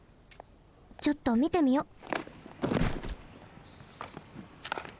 ちょっとみてみよっ。